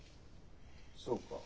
そうか。